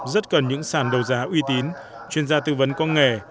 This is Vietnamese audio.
rất cần những sản đấu giá uy tín chuyên gia tư vấn công nghệ